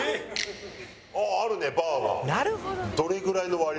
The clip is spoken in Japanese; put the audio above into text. あああるねバーが。